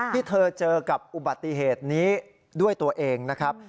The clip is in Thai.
ที่เธอเจอกับอุบัติเหตุนี้ด้วยตัวเองนะครับ